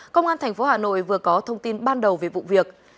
công an tp hà nội vừa có thông tin ban đầu về vụ việc